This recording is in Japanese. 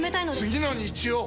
次の日曜！